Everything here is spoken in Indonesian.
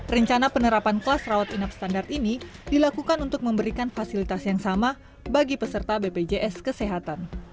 rencana penerapan kelas rawat inap standar ini dilakukan untuk memberikan fasilitas yang sama bagi peserta bpjs kesehatan